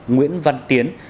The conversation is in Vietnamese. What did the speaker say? nguyễn văn tiến